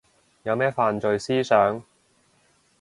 有咩犯罪思想